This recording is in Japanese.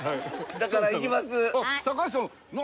だから行きます。